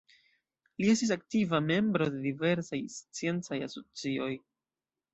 Li estis aktiva membro de diversaj sciencaj asocioj.